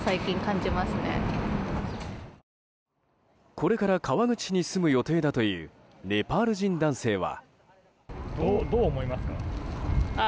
これから川口市に住む予定だというネパール人男性は。